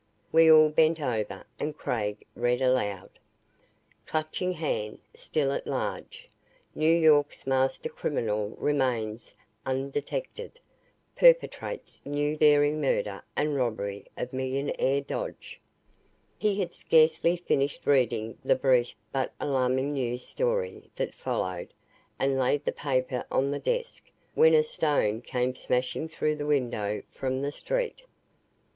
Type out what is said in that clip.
We all bent over and Craig read aloud: "CLUTCHING HAND" STILL AT LARGE NEW YORK'S MASTER CRIMINAL REMAINS UNDETECTED PERPETRATES NEW DARING MURDER AND ROBBERY OF MILLIONAIRE DODGE He had scarcely finished reading the brief but alarming news story that followed and laid the paper on the desk, when a stone came smashing through the window from the street.